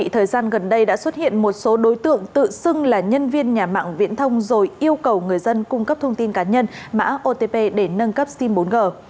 thời gian gần đây đã xuất hiện một số đối tượng tự xưng là nhân viên nhà mạng viễn thông rồi yêu cầu người dân cung cấp thông tin cá nhân mã otp để nâng cấp sim bốn g